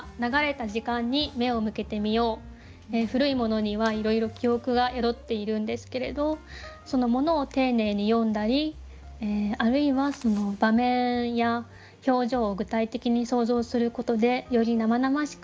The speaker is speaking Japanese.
古いものにはいろいろ記憶が宿っているんですけれどその物を丁寧に詠んだりあるいはその場面や表情を具体的に想像することでより生々しく